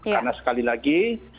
karena sekali lagi